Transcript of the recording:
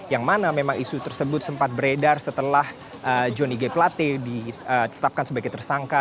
yang mana memang isu tersebut sempat beredar setelah johnny g plate ditetapkan sebagai tersangka